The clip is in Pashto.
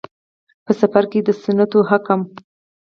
په. سفر کې د سنتو حکم